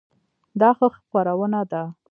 دا ښه خپرونه ده؟